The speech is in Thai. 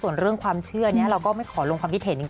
ส่วนเรื่องความเชื่อนี้เราก็ไม่ขอลงความคิดเห็นจริง